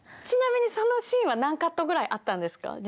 ちなみにそのシーンは何カットぐらいあったんですか？